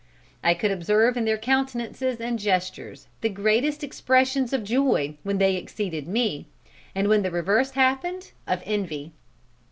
I could observe in their countenances and gestures, the greatest expressions of joy when they exceeded me, and when the reverse happened, of envy.